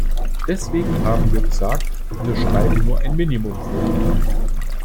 Deswegen haben wir gesagt, wir schreiben nur ein Minimum vor.